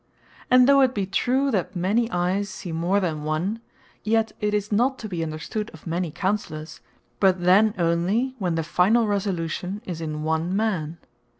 And though it be true, that many eys see more then one; yet it is not to be understood of many Counsellours; but then only, when the finall Resolution is in one man.